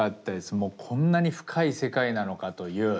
もうこんなに深い世界なのかという。